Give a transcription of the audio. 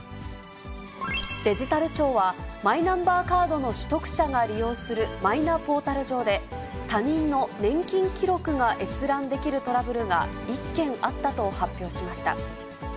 デジタル庁は、マイナンバーカードの取得者が利用するマイナポータル上で、他人の年金記録が閲覧できるトラブルが１件あったと発表しました。